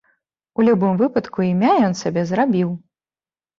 У любым выпадку, імя ён сабе зрабіў.